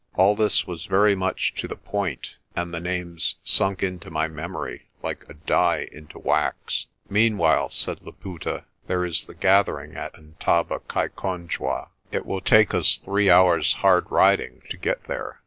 All this was very much to the point, and the names sunk into my memory like a die into wax. "Meanwhile," said Laputa, "there is the gathering at Ntabakaikonjwa.* It will take us three hours' hard riding to get there."